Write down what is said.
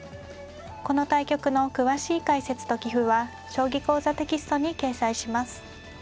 この対局の詳しい解説と棋譜は「将棋講座」テキストに掲載します。